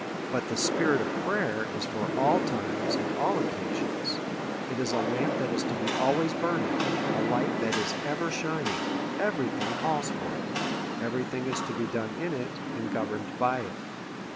But the spirit of prayer is for all times and all oc casions ; it is a lamp that is to be always burning — a light that is ever shining: everything calls for it — every thing is to be done in it, and governed by it.